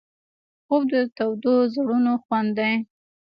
خوب د تودو زړونو خوند دی